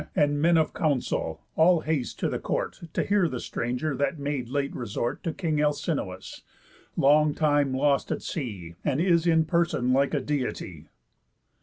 And Men of Council, all haste to the court, To hear the stranger that made late resort To King Alcinous, long time lost at sea, And is in person like a Deity."